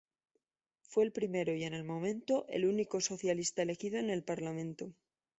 Fue el primero y en el momento el único socialista elegido en el parlamento.